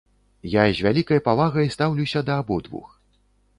Я з вялікай павагай стаўлюся да абодвух.